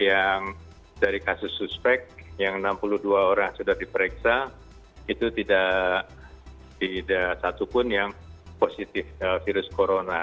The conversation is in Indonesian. yang dari kasus suspek yang enam puluh dua orang sudah diperiksa itu tidak satupun yang positif virus corona